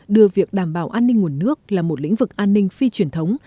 đưa việc đảm bảo an ninh nguồn nước là một lĩnh vực an ninh phi truyền thống